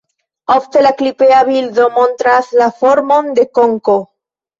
Ofte la klipea bildo montras la formon de konko.